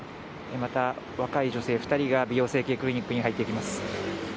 また、若い女性２人が美容整形クリニックに入っていきます。